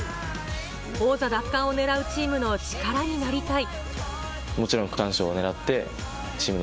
王座奪還を狙うチームの力になりたい。